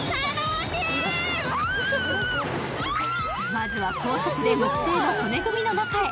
まずは高速で、木製の骨組みの中へ。